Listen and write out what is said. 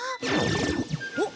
おっ！